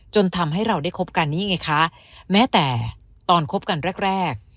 จนทำให้เราได้คบกันนี่ไงคะแม้แต่ตอนคบกันแรกแรก